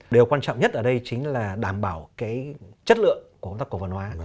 điều quan trọng nhất ở đây chính là đảm bảo cái chất lượng của công tác cổ phần hóa